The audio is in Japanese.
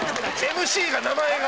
ＭＣが名前が。